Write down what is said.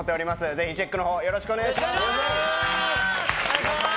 ぜひチェックのほうよろしくお願いします！